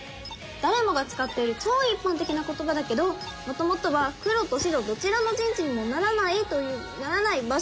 誰もが使っている超一般的な言葉だけどもともとは黒と白どちらの陣地にもならない場所を意味する言葉。